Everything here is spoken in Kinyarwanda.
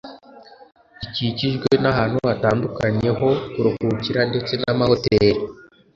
Gikikijwe n’ahantu hatandukanye ho kuruhukira ndetse n’amahoteri.